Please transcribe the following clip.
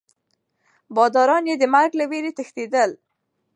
باداران یې د مرګ له ویرې تښتېدل.